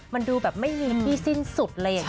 มันดูแบบไม่มีที่สิ้นสุดเลย